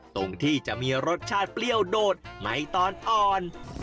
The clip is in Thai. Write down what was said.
ตรงที่จะมีรสชาติเปรี้ยวโดดในตอนอ่อน